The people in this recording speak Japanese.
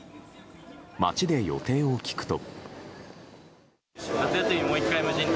街で予定を聞くと。